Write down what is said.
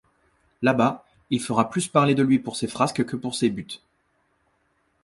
Là-bas, il fera plus parler de lui pour ses frasques que pour ses buts.